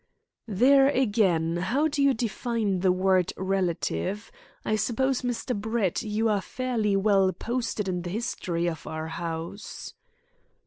"There again how do you define the word 'relative.' I suppose, Mr. Brett, you are fairly well posted in the history of our house?"